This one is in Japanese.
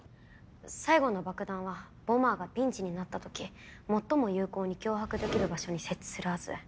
最後の爆弾はボマーがピンチになった時最も有効に脅迫できる場所に設置するはず。